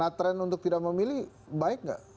nah tren untuk tidak memilih baik nggak